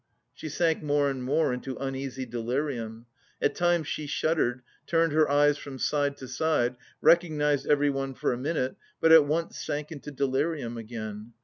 She sank more and more into uneasy delirium. At times she shuddered, turned her eyes from side to side, recognised everyone for a minute, but at once sank into delirium again.